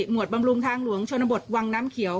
บำรุงทางหลวงชนบทวังน้ำเขียว